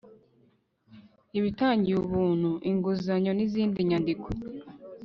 ibitangiwe ubuntu inguzanyo n izindi nyandiko